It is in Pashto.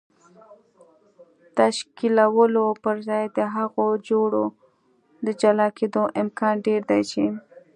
تشکیلولو پر ځای د هغو جوړو د جلا کېدو امکان ډېر دی چې